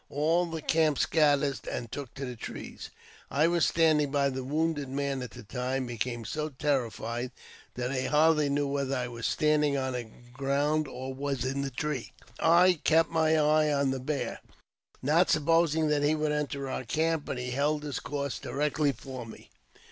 All the camp scattered and took to trees. I was standing by the wounded man at the time, and became so terrified that I hardly knew whether I was standing on the ground or was in a tree. I kept my eye on the bear, not supposing that he would enter our camp ; but he held his course directly for me.